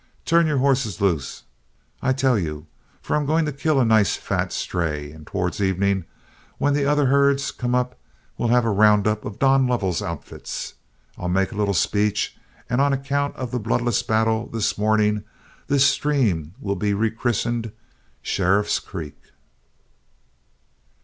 Turn your horses loose, I tell you, for I'm going to kill a nice fat stray, and towards evening, when the other herds come up, we'll have a round up of Don Lovell's outfits. I'll make a little speech, and on account of the bloodless battle this morning, this stream will be rechristened Sheriff's Creek."